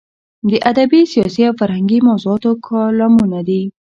د ادبي، سیاسي او فرهنګي موضوعاتو کالمونه دي.